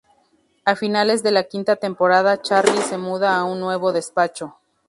A finales de la quinta temporada, Charlie se muda a un nuevo despacho.